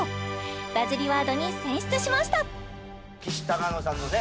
バズりワードに選出しましたきしたかのさんのね